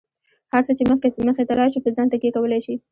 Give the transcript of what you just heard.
هر څه چې مخې ته راشي، په ځان تکیه کولای شئ.